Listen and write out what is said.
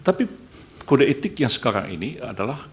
tapi kode etik yang sekarang yang sekarang kita menggunakan itu adalah kode etik